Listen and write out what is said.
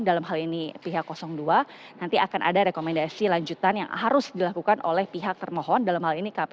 dalam hal ini pihak dua nanti akan ada rekomendasi lanjutan yang harus dilakukan oleh pihak termohon dalam hal ini kpu